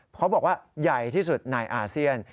เพราะบอกว่าใหญ่ที่สุดในอาเซียน